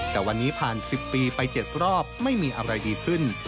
แต่วันนี้ผ่าน๑๐ปีไป๗รอบไม่มีอะไรดีขึ้น